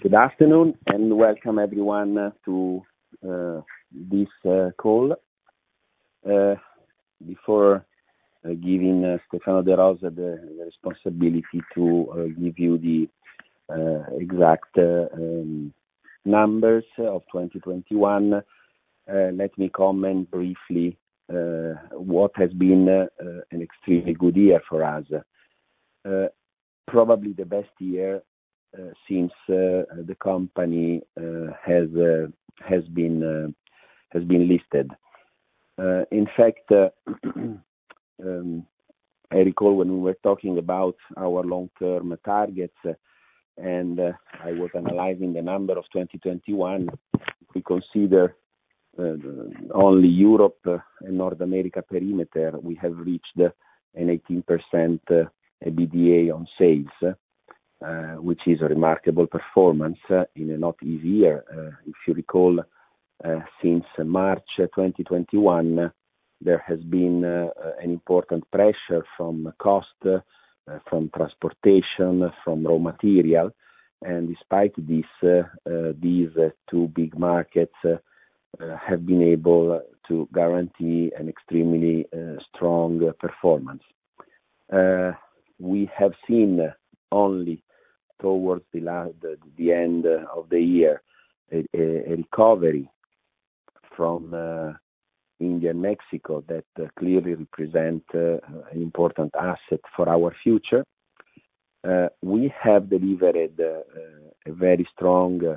Good afternoon, and welcome everyone to this call. Before giving Stefano De Rosa the responsibility to give you the exact numbers of 2021, let me comment briefly what has been an extremely good year for us. Probably the best year since the company has been listed. In fact, I recall when we were talking about our long-term targets, and I was analyzing the number of 2021, if we consider only Europe and North America perimeter, we have reached an 18% EBITDA on sales, which is a remarkable performance in a not easy year. If you recall, since March 2021, there has been an important pressure from cost, from transportation, from raw material. Despite this, these two big markets have been able to guarantee an extremely strong performance. We have seen only towards the end of the year a recovery from India and Mexico that clearly represent an important asset for our future. We have delivered a very strong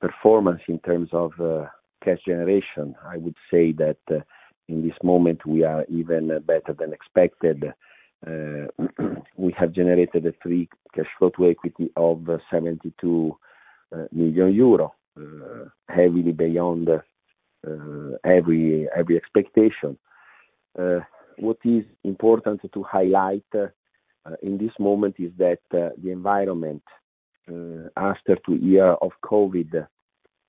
performance in terms of cash generation. I would say that in this moment, we are even better than expected. We have generated a free cash flow to equity of 72 million euro heavily beyond every expectation. What is important to highlight in this moment is that the environment after two year of COVID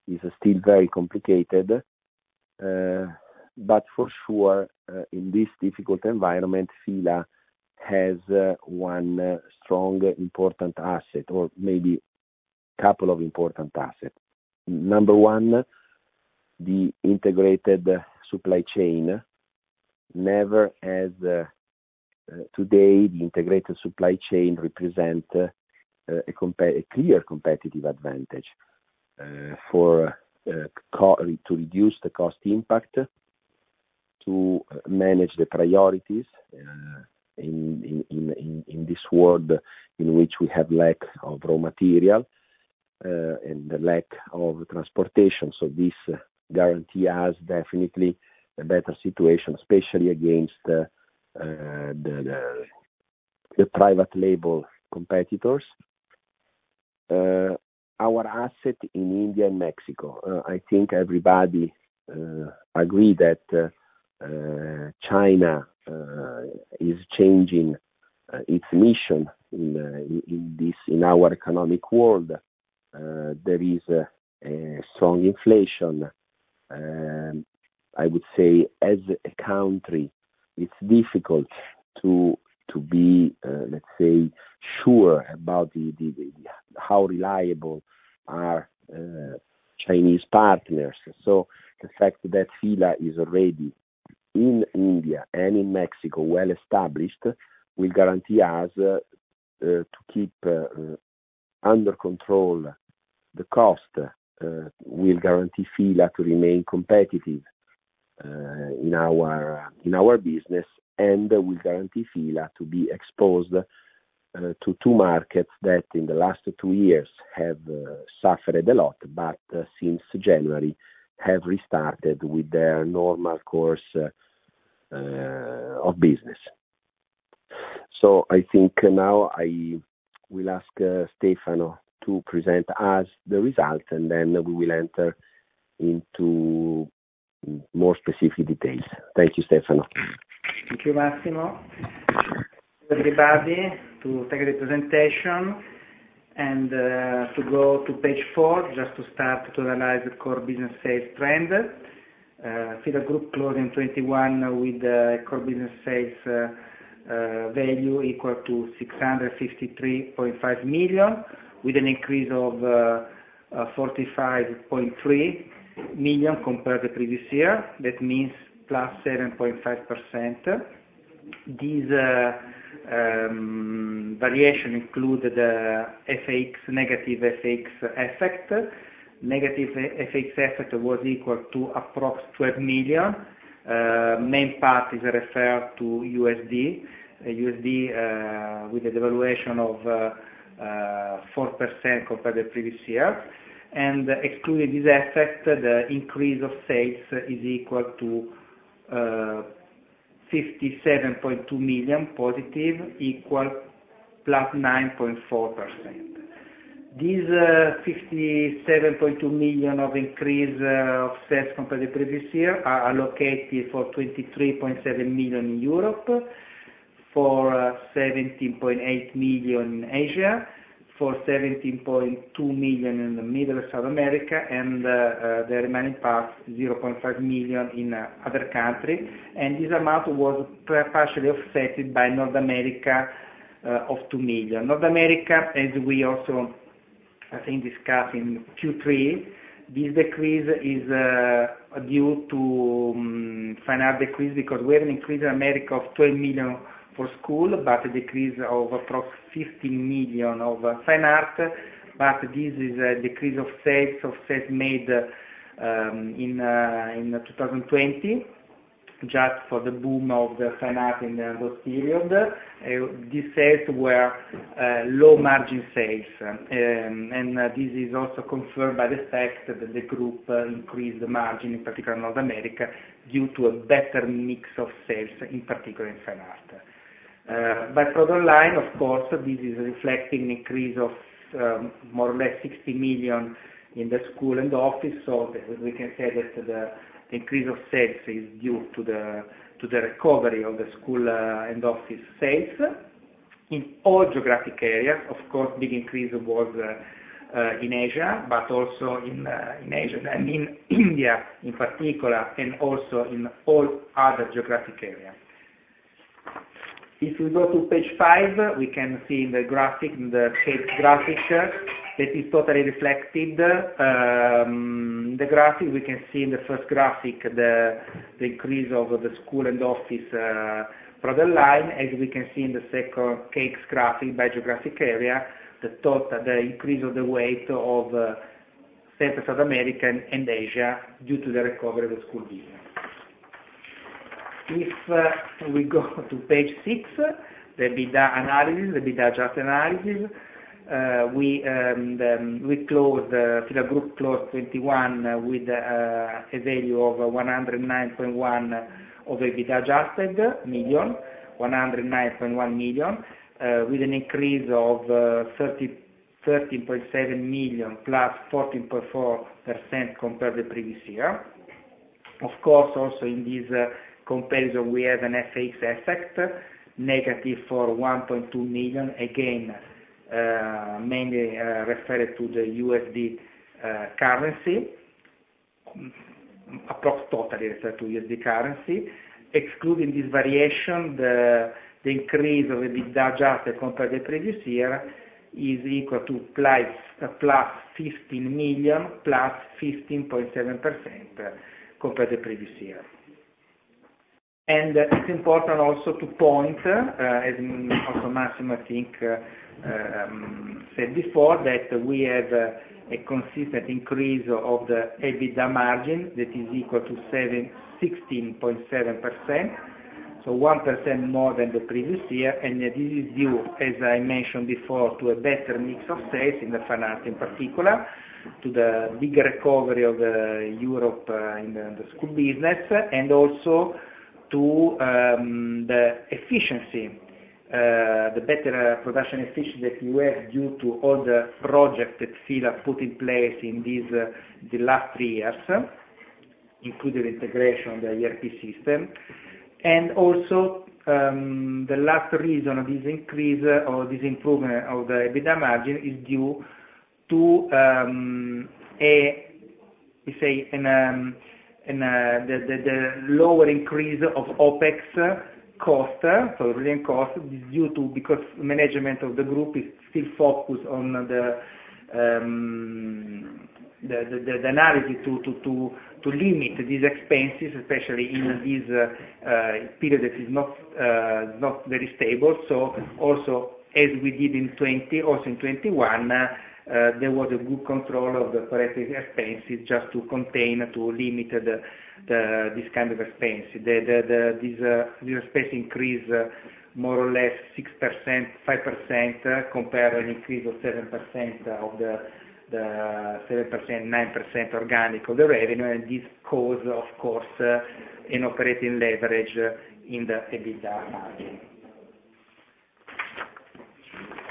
is still very complicated. For sure in this difficult environment, F.I.L.A. has one strong important asset or maybe couple of important assets. Number one, the integrated supply chain. Never as today, the integrated supply chain represent a clear competitive advantage to reduce the cost impact, to manage the priorities in this world in which we have lack of raw material and the lack of transportation. This guarantee has definitely a better situation, especially against the private label competitors. Our asset in India and Mexico. I think everybody agree that China is changing its mission in our economic world. There is a strong inflation. I would say as a country, it's difficult to be, let's say, sure about how reliable are Chinese partners. The fact that F.I.L.A. is already in India and in Mexico, well-established, will guarantee us to keep under control the cost, will guarantee F.I.L.A. to remain competitive, in our business, and will guarantee F.I.L.A. to be exposed to two markets that in the last two years have suffered a lot, but since January, have restarted with their normal course of business. I think now I will ask Stefano to present us the results, and then we will enter into more specific details. Thank you, Stefano. Thank you, Massimo. Everybody, take a presentation and to go to page 4, just to start to analyze the core business sales trend. F.I.L.A. Group closed in 2021 with the core business sales value equal to 653.5 million, with an increase of 45.3 million compared to previous year. That means +7.5%. These variation include the FX, negative FX effect. Negative FX effect was equal to approx 12 million. Main part is referred to USD. USD with a devaluation of 4% compared to the previous year. Excluding this effect, the increase of sales is equal to 57.2 million positive, equal +9.4%. These 57.2 million of increase of sales compared to previous year are allocated for 23.7 million in Europe, for 17.8 million in Asia, for 17.2 million in Central South America, and the remaining part, 0.5 million in other country. This amount was partially affected by North America of 2 million. North America, as we also, I think, discussed in Q3. This decrease is due to Fine Art decrease because we have an increase in America of 20 million for school, but a decrease of approximately 50 million of Fine Art. This is a decrease of sales of sales made in 2020, just for the boom of the Fine Art in those period. These sales were low margin sales. This is also confirmed by the fact that the group increased the margin, in particular in North America, due to a better mix of sales, in particular in Fine Art. For the line, of course, this is reflecting an increase of more or less 60 million in the School and Office. We can say that the increase of sales is due to the recovery of the School and Office sales. In all geographic areas, of course, big increase was in Asia, but also in India in particular, and also in all other geographic area. If we go to page 5, we can see in the graphic, in the cash graphic, that is totally reflected. In the first graphic, we can see the increase of the School and Office product line. As we can see in the second graphic by geographic area, the increase of the weight of Central South America and Asia due to the recovery of the school business. If we go to page 6, the EBITDA analysis, the Adjusted EBITDA analysis, we closed. F.I.L.A. Group closed 2021 with a value of 109.1 million of Adjusted EBITDA, with an increase of 13.7 million, +14.4% compared to the previous year. Of course, also in this comparison, we have an FX effect, negative for 1.2 million, again, mainly referred to the US dollar. Approximately totally referred to US dollar. Excluding this variation, the increase of the Adjusted EBITDA compared to the previous year is equal to +15 million, +15.7% compared to the previous year. It's important also to point, as also Massimo, I think, said before, that we have a consistent increase of the EBITDA margin that is equal to 16.7%, so 1% more than the previous year. This is due, as I mentioned before, to a better mix of sales in the Fine Art, in particular, to the big recovery of Europe in the school business, and also to the better production efficiency that we have due to all the projects that F.I.L.A. put in place in the last three years, including the integration of the ERP system. The last reason of this increase or this improvement of the EBITDA margin is due to the lower increase of OpEx costs. Really, in costs, this is due to the fact that management of the group is still focused on the ability to limit these expenses, especially in this period that is not very stable. Also, as we did in 2020, also in 2021, there was a good control of the operating expenses just to contain, to limit this kind of expense. This expense increase more or less 6%, 5%, compared to an increase of 7%-9% organic of the revenue. This causes, of course, an operating leverage in the EBITDA margin.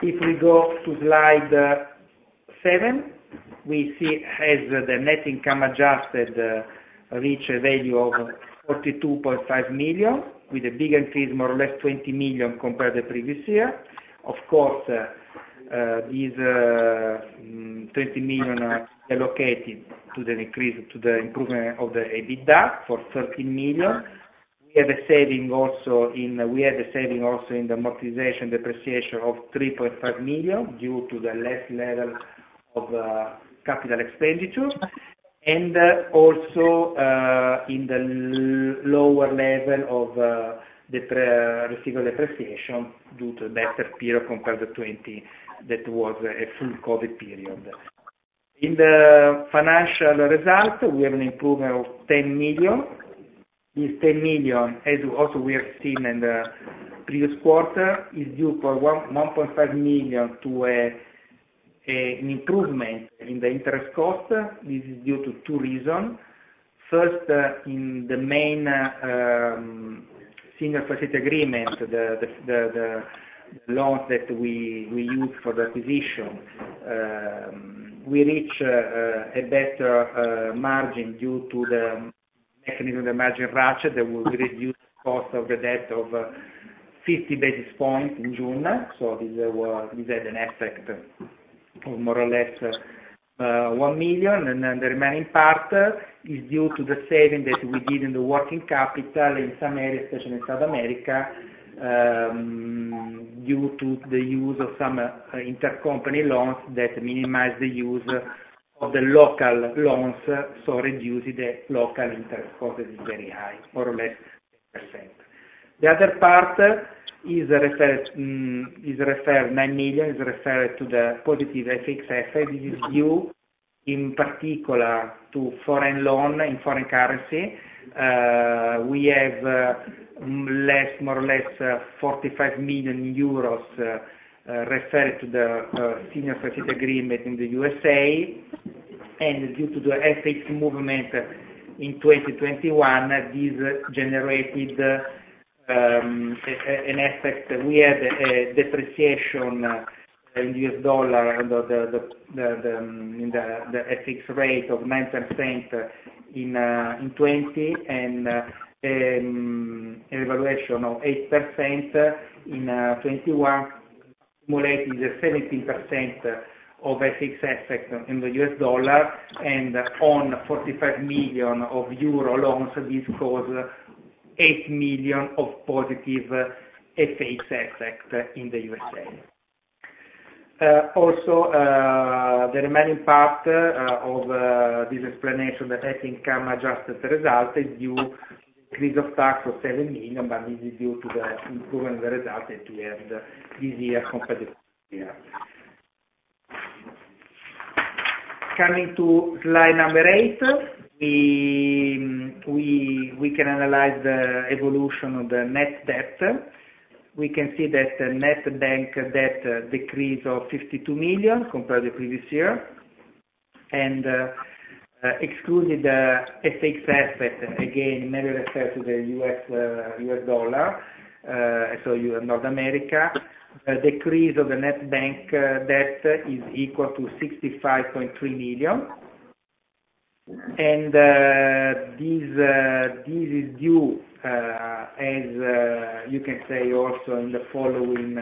If we go to slide 7, we see the net income adjusted reach a value of 42.5 million, with a big increase, more or less 20 million compared to the previous year. Of course, these 20 million are allocated to the increase, to the improvement of the EBITDA for 13 million. We have a saving also in We have a saving also in the amortization depreciation of 3.5 million due to the less level of capital expenditure, and also in the lower level of the receivable depreciation due to better period compared to 2020, that was a full COVID period. In the financial result, we have an improvement of 10 million. This 10 million, as also we have seen in the previous quarter, is due for one, 1.5 million to an improvement in the interest cost. This is due to two reason. First, in the main Senior Facility Agreement, the loans that we used for the acquisition, we reached a better margin due to the mechanism of the margin ratchet that will reduce cost of the debt of 50 basis points in June. This had an effect of more or less 1 million, and then the remaining part is due to the saving that we did in the working capital in some areas, especially South America, due to the use of some intercompany loans that minimize the use of the local loans, so reducing the local interest cost is very high, more or less %. The other part is referred, 9 million is referred to the positive FX effect. This is due in particular to foreign loan in foreign currency. We have more or less 45 million euros referred to the Senior Facility Agreement in the U.S. Due to the FX movement in 2021, these generated an effect. We had a depreciation in US dollar and the FX rate of 9% in 2020 and an appreciation of 8% in 2021, resulting in the 17% FX effect in the US dollar and on 45 million of euro loans. This caused 8 million of positive FX effect in the U.S. Also, the remaining part of this explanation, the net income adjusted result is due to the increase of tax of 7 million, but this is due to the improvement of the result that we had this year compared to last year. Coming to slide number 8, we can analyze the evolution of the net debt. We can see that the net bank debt decreased by 52 million compared to previous year. Excluded FX effect, again, mainly referred to the US dollar, so U.S. North America. A decrease of the net bank debt is equal to EUR 65.3 million. This is due, as you can see also in the following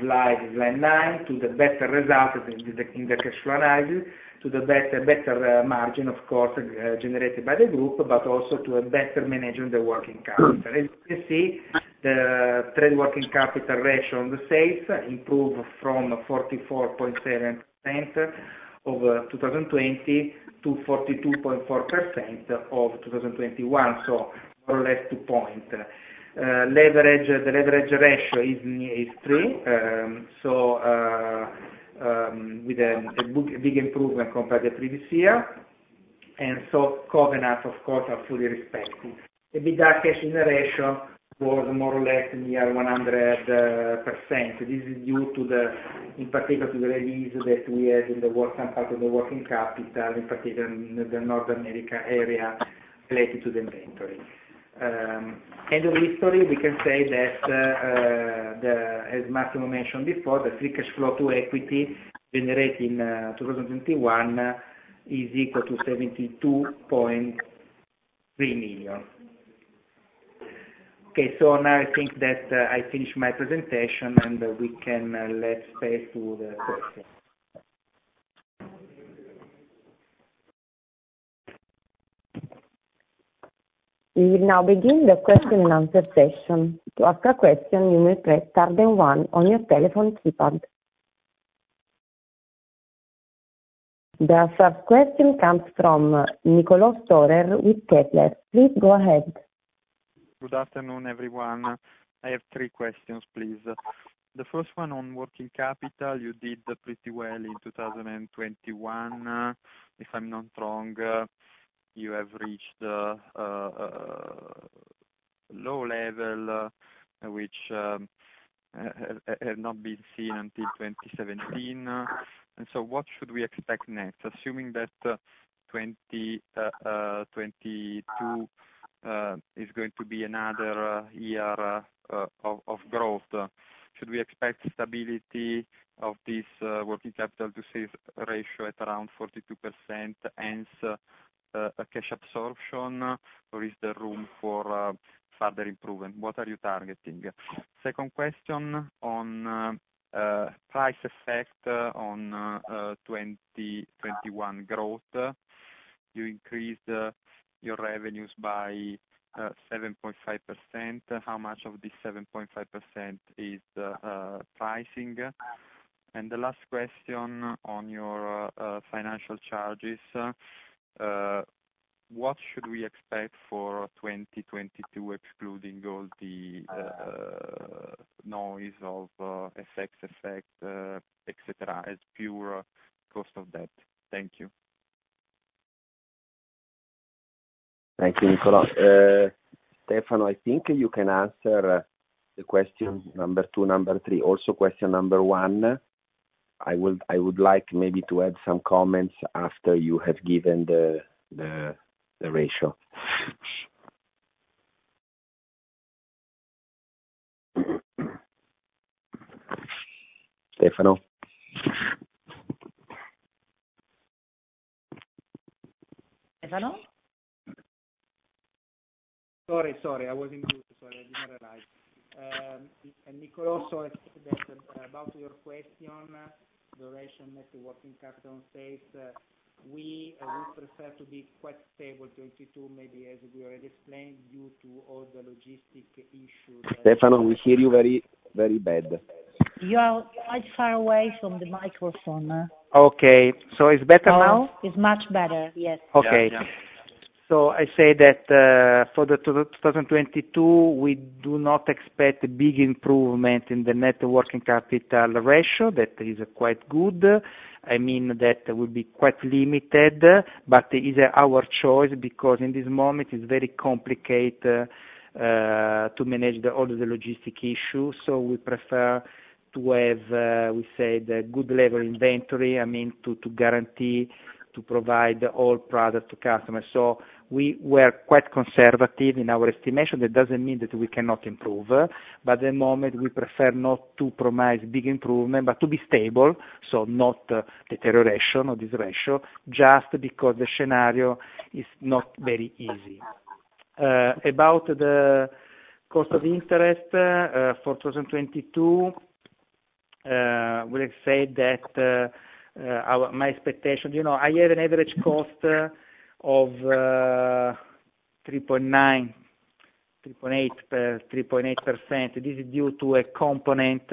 slide 9, to the better result in the cash flow analysis, to the better margin, of course, generated by the group, but also to a better management of the working capital. As you can see, the trade working capital ratio on the sales improved from 44.7% of 2020 to 42.4% of 2021, so more or less 2 percentage points. The leverage ratio is near three, with a big improvement compared to previous year. Covenants, of course, are fully respected. EBITDA cash generation was more or less near 100%. This is due to the, in particular to the release that we had in the working capital, some part of the working capital, in particular in the North America area related to the inventory. End of story, we can say that, as Massimo mentioned before, the free cash flow to equity generated in 2021 is equal to 72.3 million. Okay. Now I think that I finish my presentation, and we can let's face the questions. We will now begin the question and answer session. To ask a question, you may press star then one on your telephone keypad. The first question comes from Niccolò Storer with Kepler. Please go ahead. Good afternoon, everyone. I have three questions, please. The first one on working capital. You did pretty well in 2021. If I'm not wrong, you have reached a low level which have not been seen until 2017. What should we expect next, assuming that 2022 is going to be another year of growth? Should we expect stability of this working capital to sales ratio at around 42%, hence a cash absorption? Or is there room for further improvement? What are you targeting? Second question on price effect on 2021 growth. You increased your revenues by 7.5%. How much of this 7.5% is pricing? The last question on your financial charges. What should we expect for 2022, excluding all the noise of FX effect, et cetera, as pure cost of debt? Thank you. Thank you, Niccolò. Stefano, I think you can answer the question number two, number three. Question number 1, I would like maybe to add some comments after you have given the ratio. Stefano? Stefano? Sorry. I was on mute. Sorry, I did not realize. Niccolò also added that about your question, duration net working capital sales, we would prefer to be quite stable 2022 maybe, as we already explained, due to all the logistic issues. Stefano, we hear you very, very bad. You are quite far away from the microphone. Okay. It's better now? No, it's much better. Yes. Okay. Yeah, yeah. I say that, for 2022, we do not expect a big improvement in the net working capital ratio. That is quite good. I mean, that will be quite limited, but it is our choice because in this moment, it's very complicated to manage all the logistics issues. We prefer to have, we said, a good level inventory, I mean, to guarantee, to provide all product to customers. We were quite conservative in our estimation. That doesn't mean that we cannot improve. At the moment, we prefer not to promise big improvement, but to be stable, so not deterioration of this ratio, just because the scenario is not very easy. About the cost of interest, for 2022, we have said that our my expectation... You know, I have an average cost of 3.9, 3.8, 3.8%. This is due to the Euribor component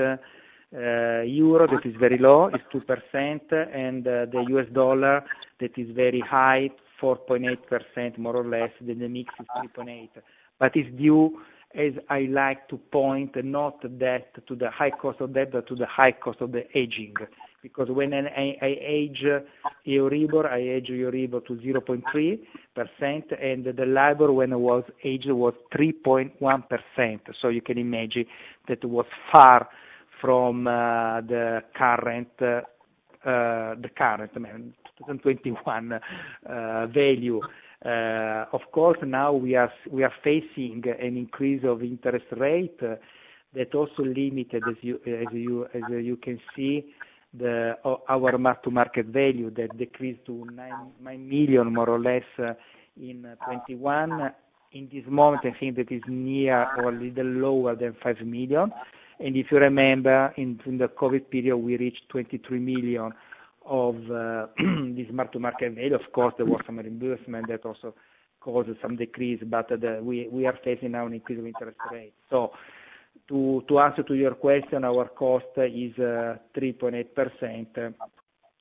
that is very low. It's 2%. The US dollar that is very high, 4.8% more or less, then the mix is 3.8. It's due, as I like to point out, not due to the high cost of debt, but to the high cost of the hedging. Because when I hedge Euribor to 0.3%, and the LIBOR when it was hedged was 3.1%. You can imagine that was far from the current, the current, I mean, 2021 value. Of course, now we are facing an increase of interest rate that also limited, as you can see, our mark-to-market value that decreased to 9 million more or less in 2021. In this moment, I think that is near or a little lower than 5 million. If you remember in the COVID period, we reached 23 million of this mark-to-market value. Of course, there was some reimbursement that also caused some decrease. We are facing now an increase of interest rate. To answer to your question, our cost is 3.8%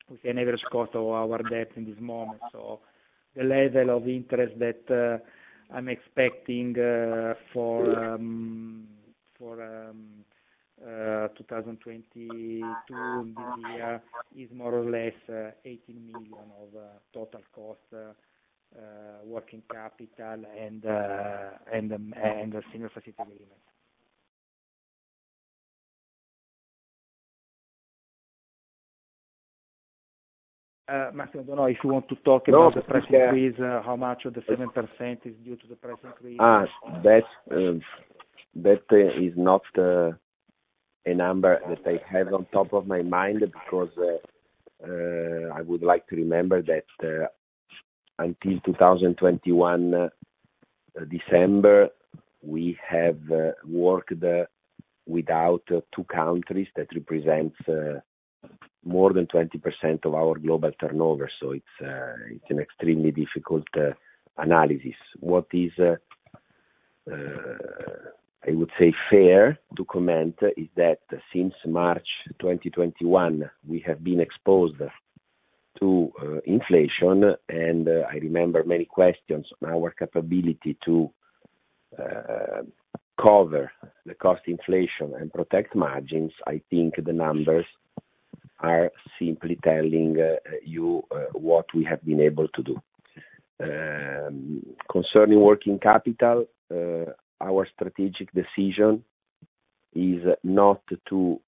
with an average cost of our debt in this moment. The level of interest that I'm expecting for 2022, this year, is more or less 18 million of total cost of working capital and the senior facility limit. Massimo, I don't know if you want to talk about the price increase, how much of the 7% is due to the price increase. That is not a number that I have on top of my mind because I would like to remember that until December 2021, we have worked without two countries that represents more than 20% of our global turnover. It's an extremely difficult analysis. What I would say is fair to comment is that since March 2021, we have been exposed to inflation. I remember many questions on our capability to cover the cost inflation and protect margins. I think the numbers are simply telling you what we have been able to do. Concerning working capital, our strategic decision is not to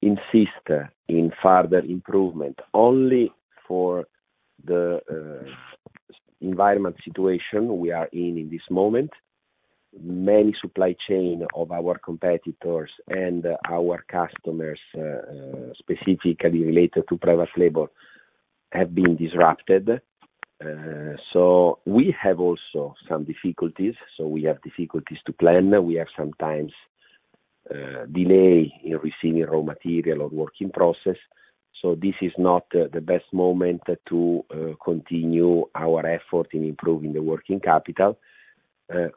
insist in further improvement. Only for the environment situation we are in this moment, many supply chain of our competitors and our customers, specifically related to private label, have been disrupted. We have also some difficulties, so we have difficulties to plan. We have sometimes delay in receiving raw material or work in process. This is not the best moment to continue our effort in improving the working capital.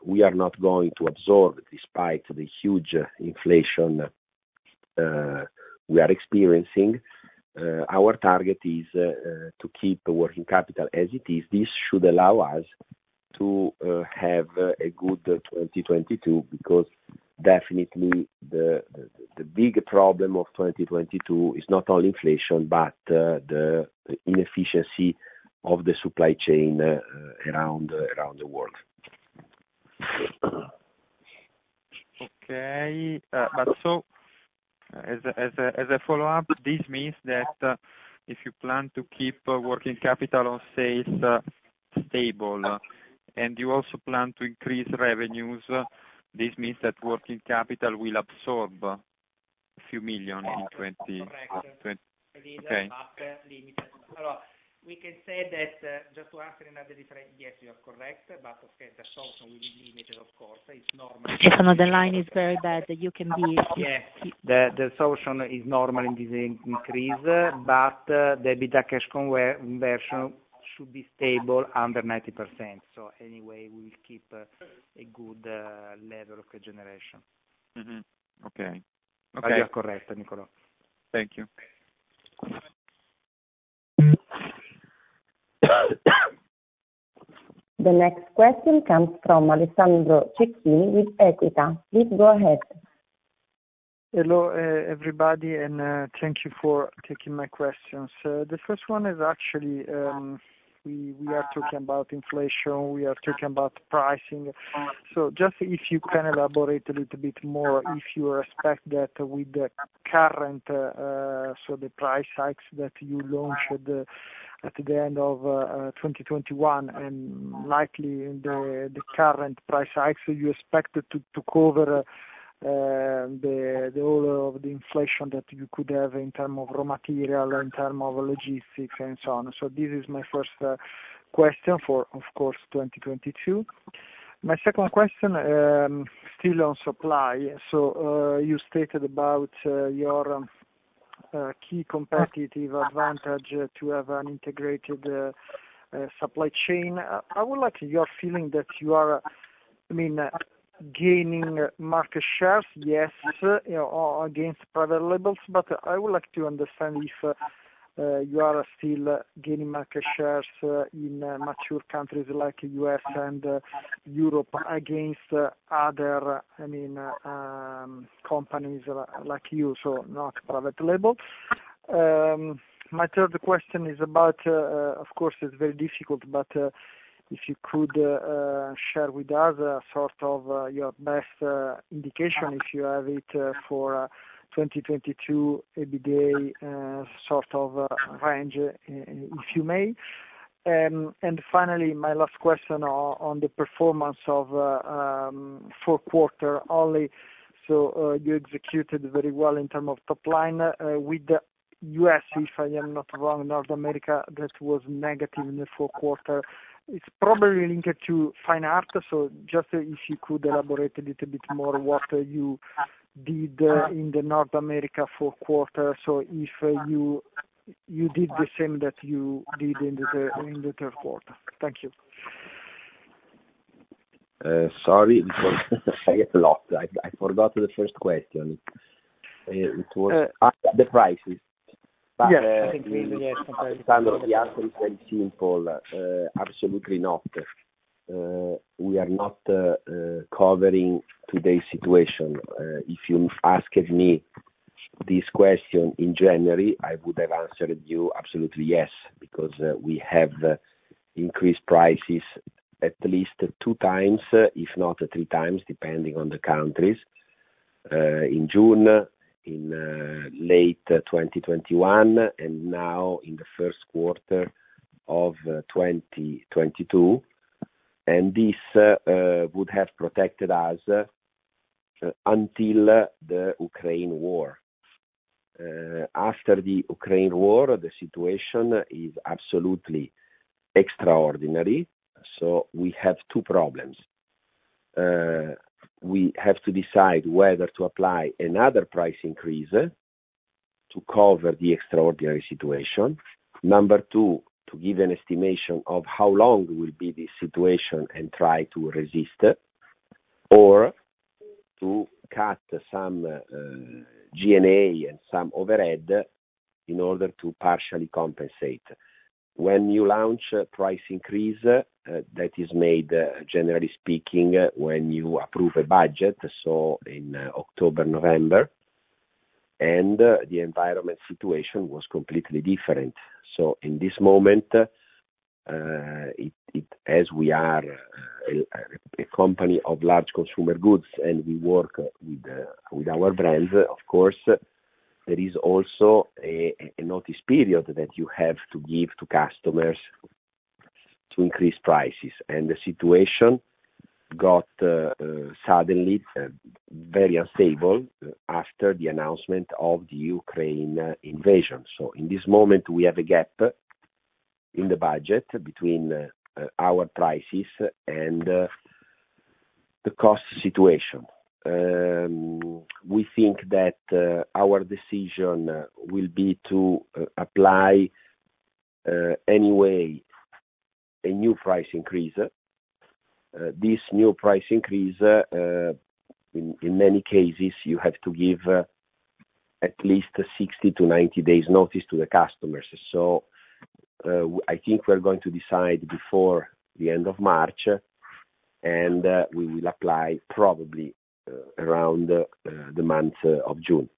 We are not going to absorb despite the huge inflation we are experiencing. Our target is to keep working capital as it is. This should allow us to have a good 2022 because definitely the big problem of 2022 is not only inflation, but the inefficiency of the supply chain around the world. As a follow-up, this means that if you plan to keep working capital on sales stable and you also plan to increase revenues, this means that working capital will absorb. a few million in 2020- Correct. Okay. Limited. We can say that. Yes, you are correct, but okay, the solution will be limited of course. It's normal. Stefano, the line is very bad. Yes. The solution is normally this increase, but the EBITDA cash conversion should be stable under 90%. Anyway, we will keep a good level of generation. Mm-hmm. Okay. Okay. You are correct, Niccolò. Thank you. The next question comes from Alessandro Cecchini with Equita. Please go ahead. Hello, everybody, and thank you for taking my questions. The first one is actually we are talking about inflation, we are talking about pricing. Just if you can elaborate a little bit more, if you expect that the price hikes that you launched at the end of 2021 and likely the current price hikes, you expect to cover the whole of the inflation that you could have in terms of raw material, in terms of logistics and so on. This is my first question for, of course, 2022. My second question still on supply. You stated about your key competitive advantage to have an integrated supply chain. I would like your feeling that you are, I mean, gaining market shares, yes, you know, against private labels, but I would like to understand if you are still gaining market shares in mature countries like U.S. and Europe against other, I mean, companies like you, so not private label. My third question is about, of course it's very difficult, but if you could share with us sort of your best indication, if you have it, for 2022 EBITDA sort of range, if you may. Finally, my last question on the performance of fourth quarter only. You executed very well in terms of top line with the U.S., if I am not wrong, North America, that was negative in the fourth quarter. It's probably linked to Fine Art. Just if you could elaborate a little bit more what you did in North America fourth quarter? If you did the same that you did in the third quarter. Thank you. Sorry because I get lost. I forgot the first question. Uh- The prices. Yes. I think we may have covered it. The answer is very simple. Absolutely not. We are not covering today's situation. If you asked me this question in January, I would have answered you absolutely yes, because we have increased prices at least two times, if not three times, depending on the countries. In June, in late 2021, and now in the first quarter of 2022. This would have protected us until the Ukraine war. After the Ukraine war, the situation is absolutely extraordinary. We have two problems. We have to decide whether to apply another price increase to cover the extraordinary situation. Number two, to give an estimation of how long will be this situation and try to resist, or to cut some G&A and some overhead in order to partially compensate. When you launch a price increase, that is made, generally speaking, when you approve a budget, so in October, November. The environment situation was completely different. In this moment, as we are a company of large consumer goods and we work with our brands, of course, there is also a notice period that you have to give to customers to increase prices. The situation got suddenly very unstable after the announcement of the Ukraine invasion. In this moment, we have a gap in the budget between our prices and the cost situation. We think that our decision will be to apply anyway a new price increase. This new price increase, in many cases, you have to give at least 60-90 days notice to the customers. I think we're going to decide before the end of March, and we will apply probably around the month of June.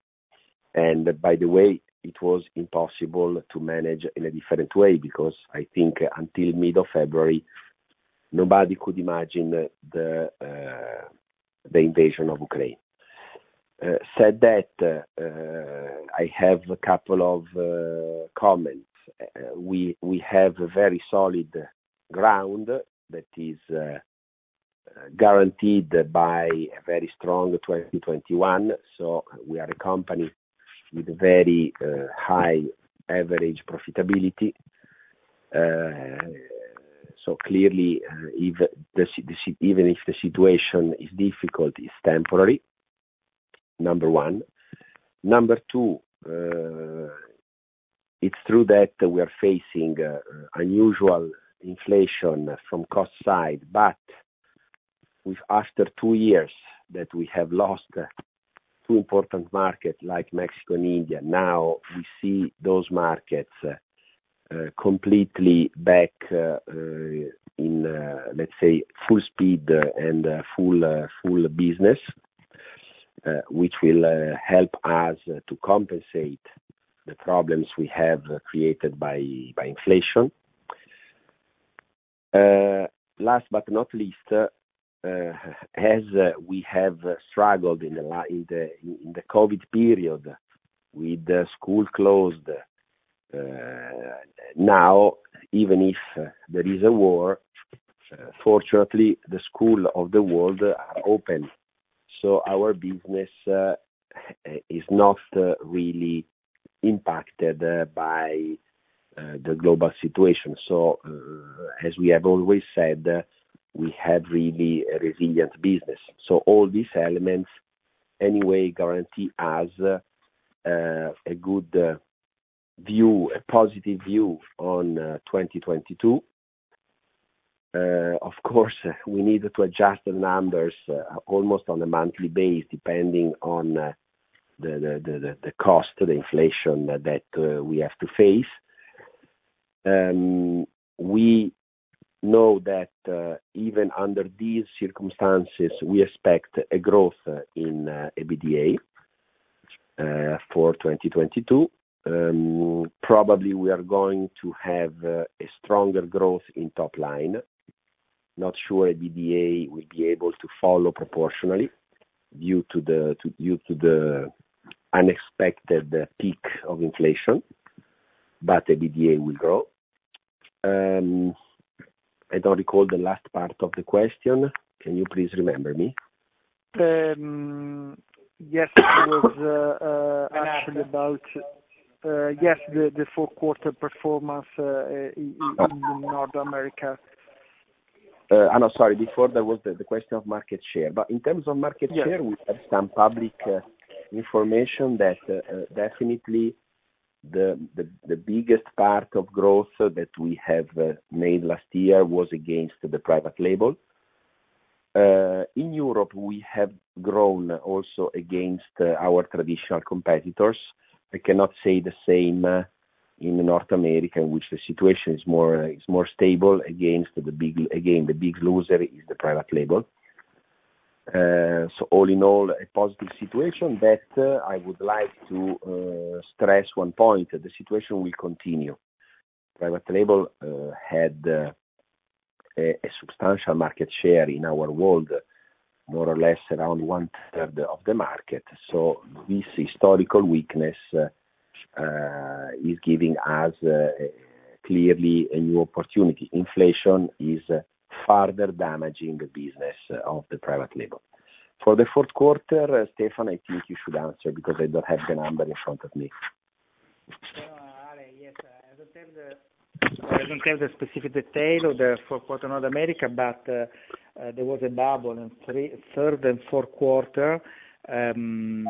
By the way, it was impossible to manage in a different way because I think until mid-February, nobody could imagine the invasion of Ukraine. That said, I have a couple of comments. We have a very solid ground that is guaranteed by a very strong 2021, so we are a company with very high average profitability. Clearly, even if the situation is difficult, it's temporary, number one. Number two, it's true that we are facing unusual inflation from cost side, but after two years that we have lost two important markets like Mexico and India, now we see those markets completely back in, let's say, full speed and full business, which will help us to compensate the problems we have created by inflation. Last but not least, as we have struggled in the COVID period with the school closed, now even if there is a war, fortunately, the schools of the world are open. Our business is not really impacted by the global situation. As we have always said, we have really a resilient business. All these elements, anyway, guarantee us a good view, a positive view on 2022. Of course, we need to adjust the numbers almost on a monthly basis, depending on the cost of inflation that we have to face. We know that even under these circumstances, we expect a growth in EBITDA for 2022. Probably we are going to have a stronger growth in top line. Not sure EBITDA will be able to follow proportionally due to the unexpected peak of inflation, but EBITDA will grow. I don't recall the last part of the question. Can you please remind me? Yes. It was actually about yes, the fourth quarter performance in North America. No, sorry, before that was the question of market share. In terms of market share. Yes. We have some public information that definitely the biggest part of growth that we have made last year was against the private label. In Europe, we have grown also against our traditional competitors. I cannot say the same in North America, where the situation is more stable. Again, the big loser is the private label. All in all, a positive situation that I would like to stress. One point, the situation will continue. Private label had a substantial market share in our world, more or less around 1/3 of the market. This historical weakness is giving us clearly a new opportunity. Inflation is further damaging the business of the private label. For the fourth quarter, Stefano, I think you should answer because I don't have the number in front of me. Ale, yes, I don't have the specific detail of the fourth quarter North America, but there was a bubble in third and fourth quarter in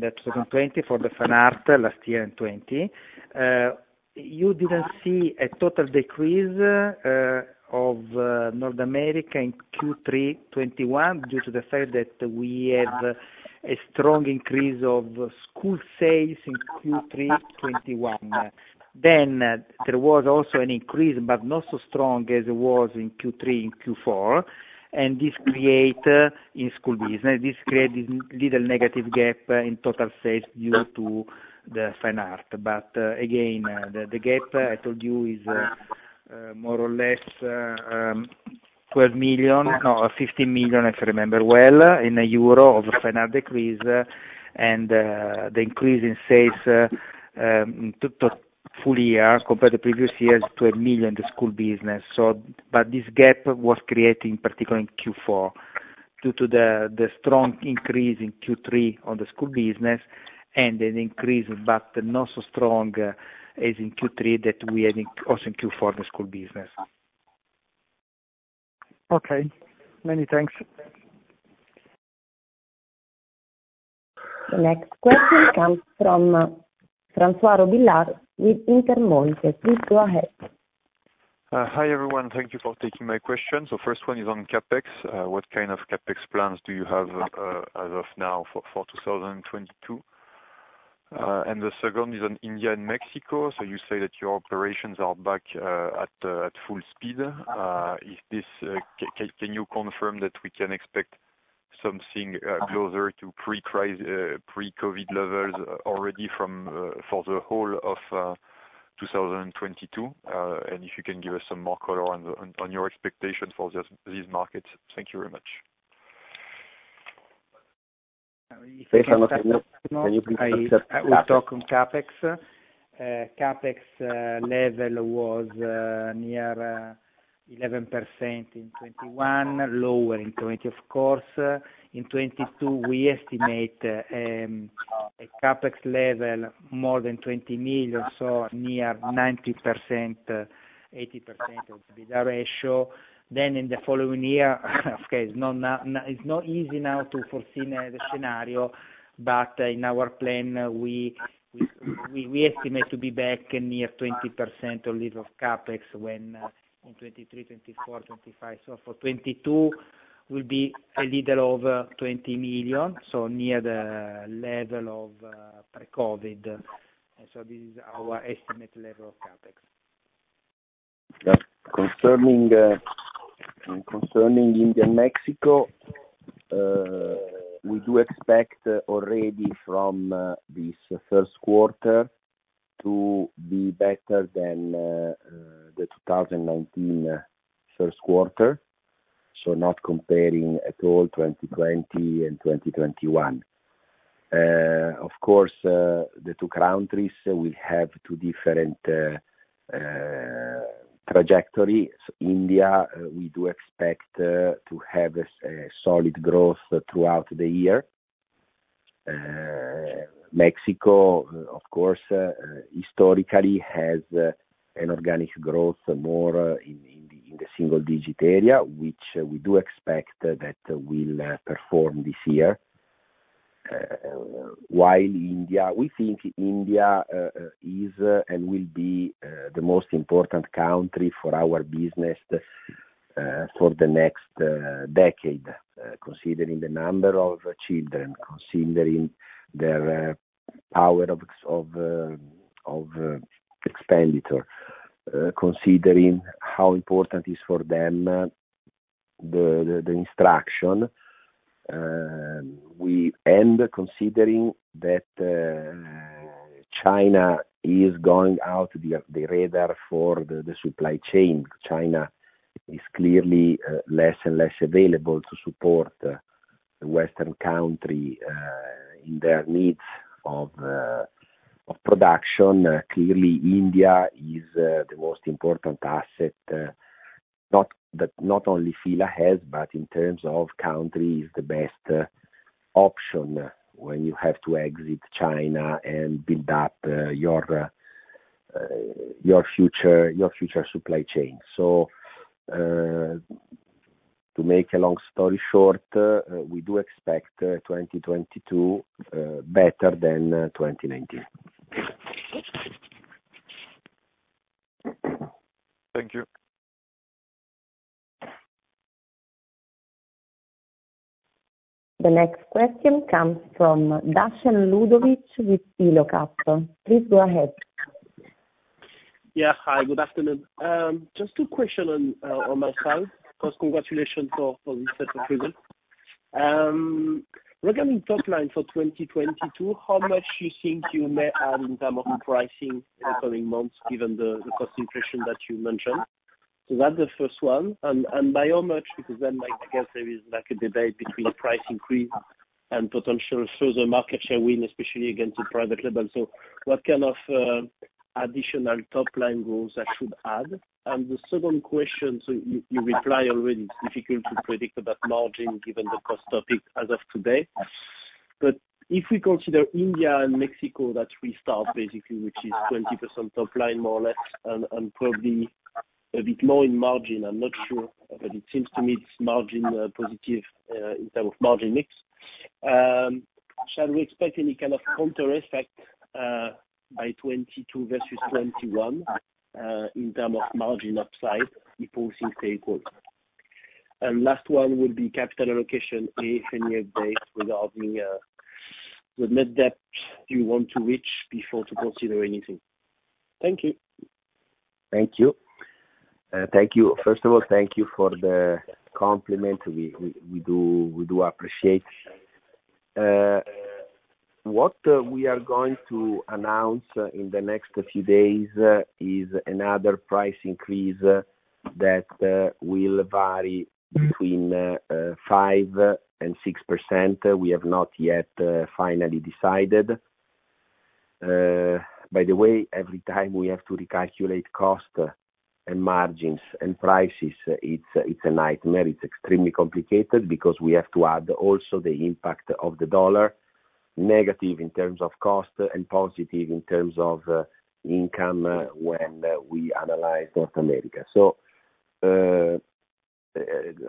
2020 for the Fine Art last year in 2020. You didn't see a total decrease of North America in Q3 2021 due to the fact that we have a strong increase of school sales in Q3 2021. There was also an increase, but not so strong as it was in Q3, in Q4. This created, in school business, little negative gap in total sales due to the Fine Art. Again, the gap I told you is more or less 12 million, no, 15 million, if I remember well, of Fine Art decrease. The increase in sales to full year compared to previous years, 12 million, the school business. This gap was created in particular in Q4 due to the strong increase in Q3 on the school business and an increase, but not so strong as in Q3 that we had also in Q4, the school business. Okay. Many thanks. The next question comes from François Robillard with Intermonte. Please go ahead. Hi, everyone. Thank you for taking my question. First one is on CapEx. What kind of CapEx plans do you have as of now for 2022? And the second is on India and Mexico. You say that your operations are back at full speed. Can you confirm that we can expect something closer to pre-COVID levels already from for the whole of 2022? And if you can give us some more color on your expectations for these markets. Thank you very much. If I can start, I will talk on CapEx. CapEx level was near 11% in 2021, lower in 2020, of course. In 2022, we estimate a CapEx level more than 20 million, so near 90%, 80% of EBITDA ratio. In the following year, it's not easy now to foresee the scenario. In our plan, we estimate to be back in near 20% or little of CapEx when in 2023, 2024, 2025. For 2022, will be a little over 20 million, so near the level of pre-COVID. This is our estimate level of CapEx. Concerning India and Mexico, we do expect already from this first quarter to be better than the 2019 first quarter, so not comparing at all 2020 and 2021. Of course, the two countries, we have two different trajectories. India, we do expect to have a solid growth throughout the year. Mexico, of course, historically has an organic growth more in the single digit area, which we do expect that will perform this year. While India, we think India is and will be the most important country for our business for the next decade, considering the number of children, considering their power of expenditure, considering how important is for them the instruction. Considering that China is going out the radar for the supply chain. China is clearly less and less available to support the Western country in their needs of production. Clearly, India is the most important asset, not only F.I.L.A. has, but in terms of country, is the best option when you have to exit China and build up your future supply chain. To make a long story short, we do expect 2022 better than 2019. Thank you. The next question comes from Ludovic Duchesne with Pilock Capital. Please go ahead. Yeah. Hi, good afternoon. Just two questions on my side. First, congratulations for this set of results. Regarding top line for 2022, how much you think you may add in terms of pricing in the coming months, given the cost inflation that you mentioned. That's the first one. By how much. Because then, like, I guess there is like a debate between price increase and potential further market share win, especially against the private label. What kind of additional top line goals I should add. The second question, you reply already, it's difficult to predict about margin given the cost topic as of today. If we consider India and Mexico that restart basically, which is 20% top line more or less, and probably a bit more in margin, I'm not sure, but it seems to me it's margin positive in terms of margin mix. Shall we expect any kind of counter effect by 2022 versus 2021 in terms of margin upside if all things stay equal? Last one would be capital allocation. Any update regarding with net debt you want to reach before to consider anything? Thank you. Thank you. Thank you. First of all, thank you for the compliment. We do appreciate. What we are going to announce in the next few days is another price increase that will vary between 5%-6%. We have not yet finally decided. By the way, every time we have to recalculate cost and margins and prices, it's a nightmare. It's extremely complicated because we have to add also the impact of the dollar, negative in terms of cost and positive in terms of income when we analyze North America.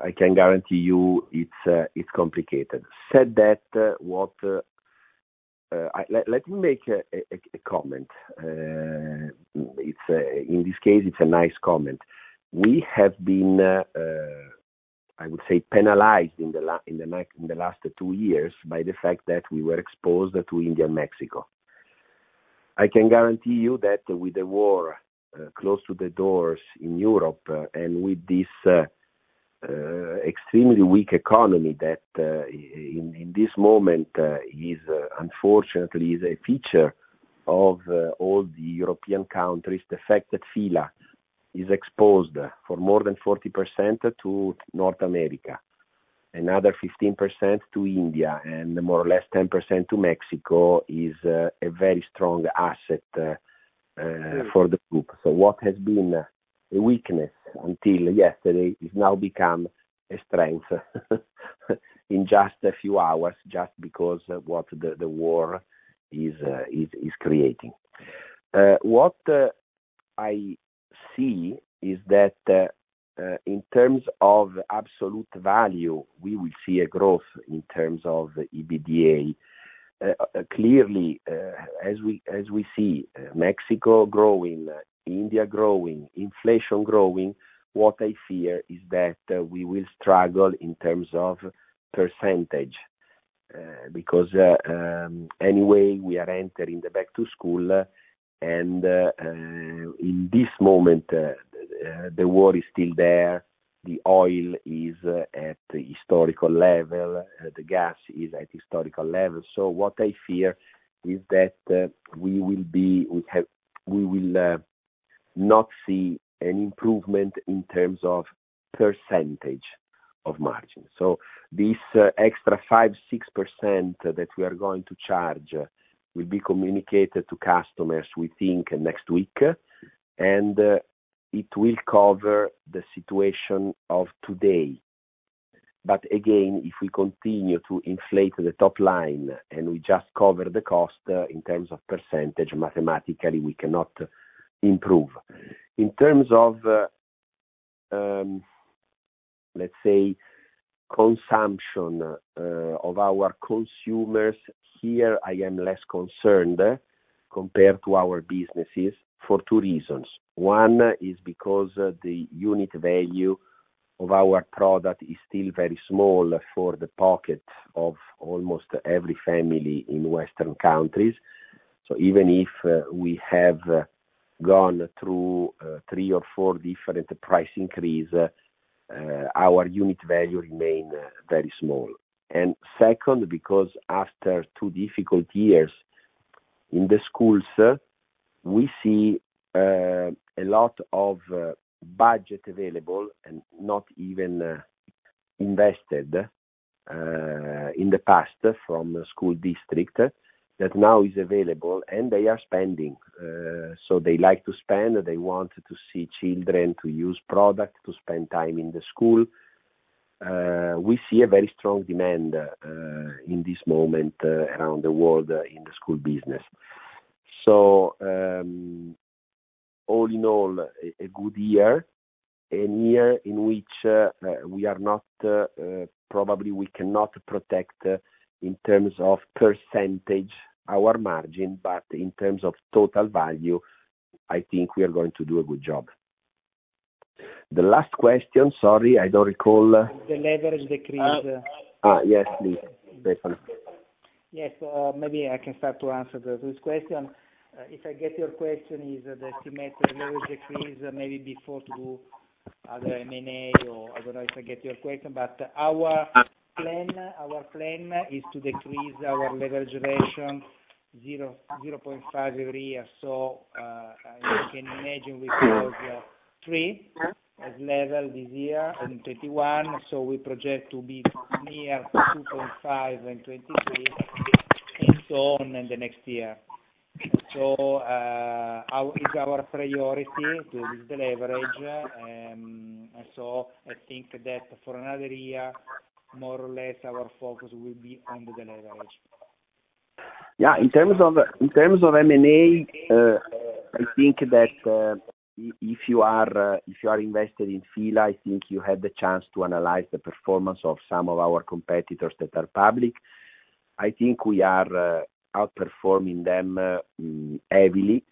I can guarantee you it's complicated. That said, let me make a comment. In this case, it's a nice comment. We have been, I would say, penalized in the last two years by the fact that we were exposed to India and Mexico. I can guarantee you that with the war close to the doors in Europe and with this extremely weak economy that in this moment is unfortunately a feature of all the European countries, the fact that F.I.L.A. is exposed for more than 40% to North America, another 15% to India, and more or less 10% to Mexico is a very strong asset. Mm-hmm... for the group. What has been a weakness until yesterday has now become a strength in just a few hours, just because what the war is creating. What I see is that, in terms of absolute value, we will see a growth in terms of the EBITDA. Clearly, as we see Mexico growing, India growing, inflation growing, what I fear is that we will struggle in terms of percentage. Because, anyway, we are entering the back-to-school, and in this moment, the war is still there, the oil is at historical level, the gas is at historical level. What I fear is that, we will not see an improvement in terms of percentage of margin. This extra 5%-6% that we are going to charge will be communicated to customers, we think, next week, and it will cover the situation of today. Again, if we continue to inflate the top line and we just cover the cost in terms of percentage, mathematically, we cannot improve. In terms of, let's say, consumption, of our consumers, here I am less concerned compared to our businesses for two reasons. One is because the unit value of our product is still very small for the pocket of almost every family in Western countries. Even if we have gone through, three or four different price increase, our unit value remain very small. Second, because after two difficult years in the schools, we see a lot of budget available and not even invested in the past from school district that now is available, and they are spending. They like to spend, they want to see children to use product to spend time in the school. We see a very strong demand in this moment around the world in the school business. All in all, a good year, a year in which, probably we cannot protect in terms of percentage our margin, but in terms of total value, I think we are going to do a good job. The last question, sorry, I don't recall. The leverage decrease. Yes, please. Stefano. Yes. Maybe I can start to answer this question. If I get your question, is the estimated leverage decrease maybe prior to other M&A or I don't know if I get your question. Our plan is to decrease our leverage ratio 0.5 every year. You can imagine we closed the year at 3x level this year at 2.1. We project to be near 2.5 in 2023, and so on in the next year. Our priority is to deleverage. I think that for another year, more or less our focus will be on the leverage. In terms of M&A, I think that if you are invested in F.I.L.A., I think you have the chance to analyze the performance of some of our competitors that are public. I think we are outperforming them heavily.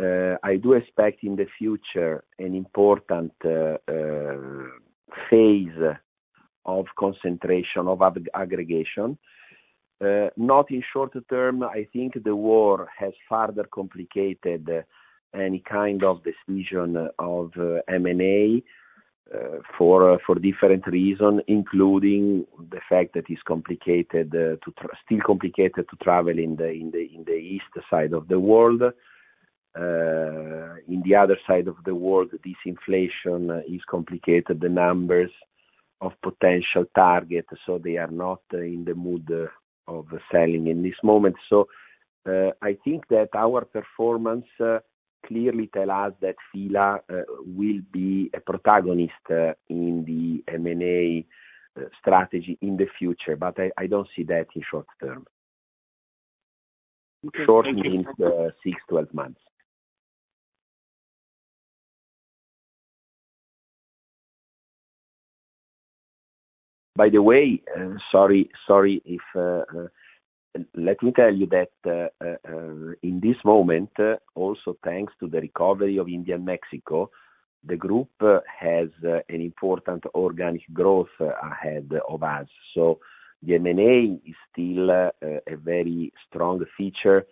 I do expect in the future an important phase of concentration, of aggregation. Not in short term, I think the war has further complicated any kind of decision of M&A, for different reason, including the fact that it's complicated to still complicated to travel in the east side of the world. In the other side of the world, this inflation is complicated, the owners of potential targets, so they are not in the mood of selling in this moment. I think that our performance clearly tell us that F.I.L.A. will be a protagonist in the M&A strategy in the future. I don't see that in short term. Okay. Thank you. Short means six to 12 months. By the way, sorry if... Let me tell you that in this moment also thanks to the recovery of India and Mexico, the group has an important organic growth ahead of us. The M&A is still a very strong feature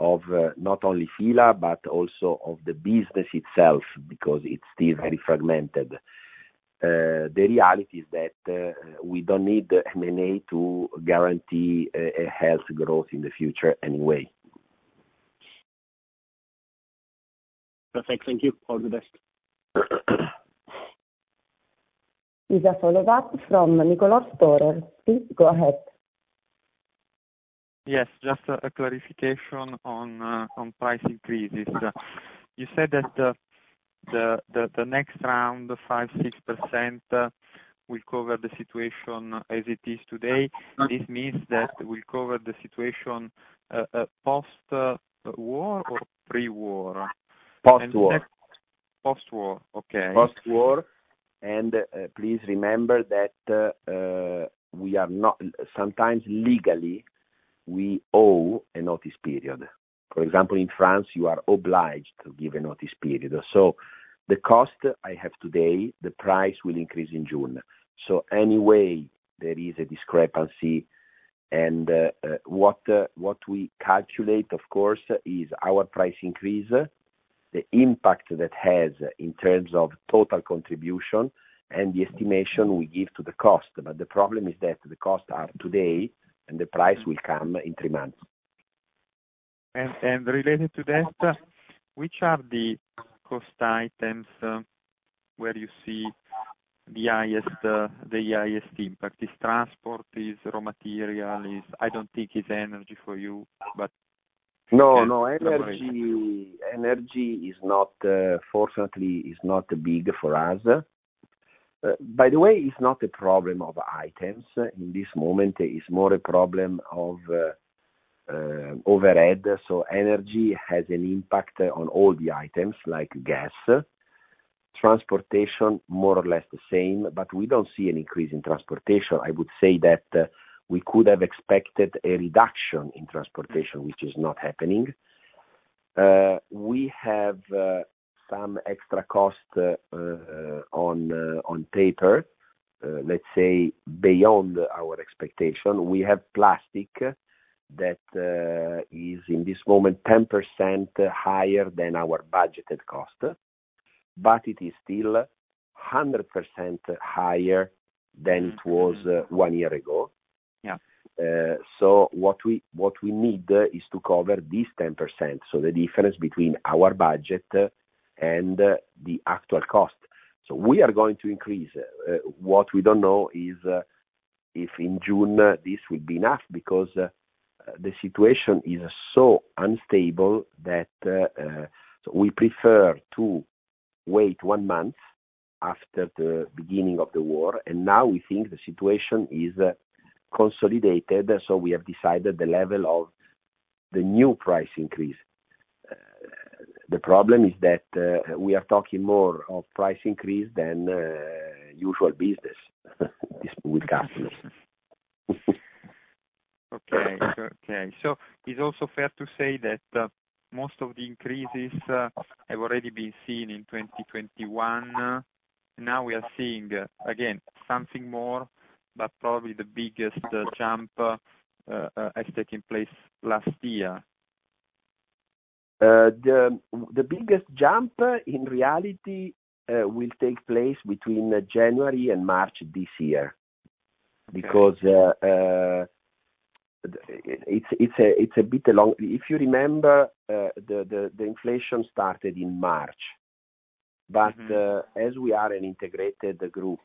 of not only F.I.L.A., but also of the business itself, because it's still very fragmented. The reality is that we don't need the M&A to guarantee a healthy growth in the future anyway. Perfect. Thank you. All the best. We have a follow-up from Niccolò Storer. Please go ahead. Yes, just a clarification on price increases. You said that the next round of 5%-6% will cover the situation as it is today. This means that will cover the situation post-war or pre-war? Post-war. Post-war. Okay. Please remember that we are not. Sometimes legally, we owe a notice period. For example, in France, you are obliged to give a notice period. The cost I have today. The price will increase in June. Anyway, there is a discrepancy and what we calculate, of course, is our price increase, the impact that has in terms of total contribution and the estimation we give to the cost. The problem is that the costs are today and the price will come in three months. Related to that, which are the cost items where you see the highest impact? Is transport? Is raw material? I don't think it's energy for you, but. No, no. Energy is not, fortunately, not big for us. By the way, it's not a problem of items. In this moment, it's more a problem of overhead. Energy has an impact on all the items like gas. Transportation, more or less the same, but we don't see an increase in transportation. I would say that we could have expected a reduction in transportation, which is not happening. We have some extra cost on paper, let's say beyond our expectation. We have plastic that is in this moment 10% higher than our budgeted cost, but it is still 100% higher than it was one year ago. Yeah. What we need is to cover this 10%, the difference between our budget and the actual cost. We are going to increase. What we don't know is if in June this will be enough because the situation is so unstable that we prefer to wait one month after the beginning of the war, and now we think the situation is consolidated, so we have decided the level of the new price increase. The problem is that we are talking more of price increase than usual business with customers. Okay, it's also fair to say that most of the increases have already been seen in 2021. Now we are seeing again something more, but probably the biggest jump has taken place last year. The biggest jump in reality will take place between January and March this year because it's a bit long. If you remember, the inflation started in March. Mm-hmm. As we are an integrated group,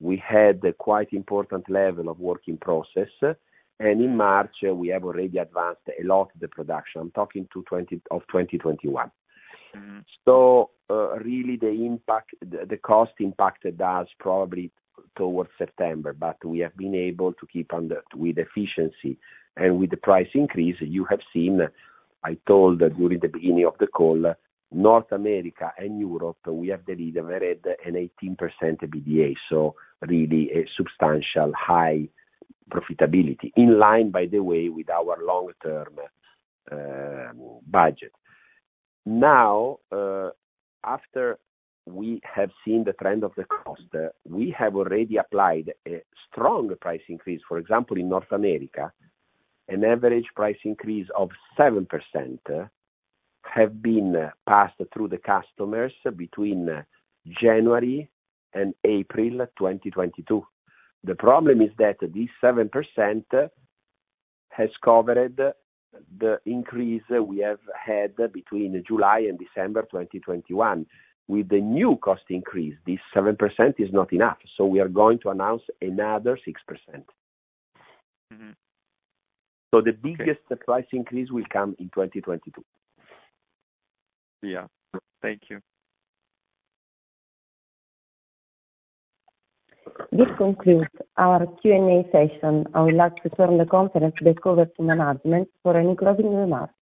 we had a quite important level of work in process. In March, we have already advanced a lot the production. I'm talking of 2021. Mm-hmm. The cost impacted us probably towards September, but we have been able to keep under with efficiency and with the price increase you have seen. I told during the beginning of the call, North America and Europe, we have delivered an 18% EBITDA. Really a substantial high profitability in line, by the way, with our long-term budget. Now, after we have seen the trend of the cost, we have already applied a strong price increase. For example, in North America, an average price increase of 7% have been passed through the customers between January and April 2022. The problem is that this 7% has covered the increase we have had between July and December 2021. With the new cost increase, this 7% is not enough, so we are going to announce another 6%. Mm-hmm. Okay. The biggest price increase will come in 2022. Yeah. Thank you. This concludes our Q&A session. I would like to turn the conference back over to management for any closing remarks.